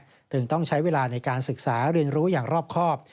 จึงต้องใช้เวลาในการศึกษาเรียนรู้อย่างรอบครอบ